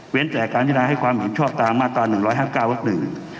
แต่การพินาให้ความเห็นชอบตามมาตรา๑๕๙วักหนึ่ง